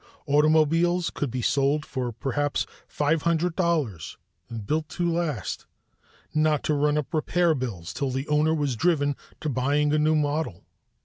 Automobiles could be sold for perhaps five hundred dollars and built to last, not to run up repair bills till the owner was driven to buying a new model.